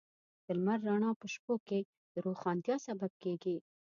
د لمر رڼا په شپو کې د روښانتیا سبب کېږي.